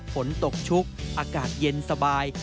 ฝนตกชุกอากาศเย็นสบาย